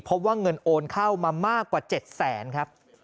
พบว่าเงินโอนเข้ามามากกว่า๗แสนครับ